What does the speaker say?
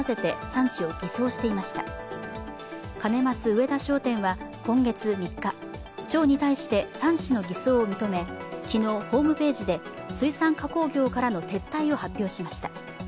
上田商店は今月３日、町に対して産地の偽装を認め昨日、ホームページで撤退を発表しました。